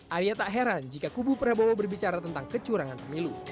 arya tak heran jika kubu prabowo berbicara tentang kecurangan pemilu